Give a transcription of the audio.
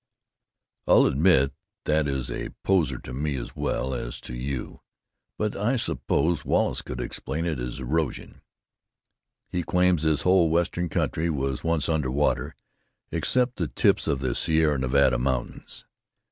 "I'll admit that is a poser to me as well as to you. But I suppose Wallace could explain it as erosion. He claims this whole western country was once under water, except the tips of the Sierra Nevada mountains.